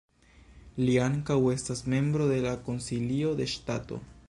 Li ankaŭ estas membro de la Konsilio de Ŝtato.